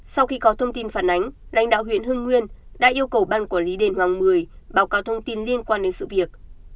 sau khi có thông tin phản ánh lãnh đạo huyện hưng nguyên đã yêu cầu ban quản lý đền hoàng mười báo cáo thông tin liên quan đến sự việc